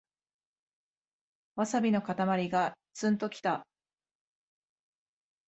ワサビのかたまりがツンときた